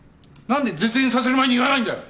何で絶縁させる前に言わないんだよ！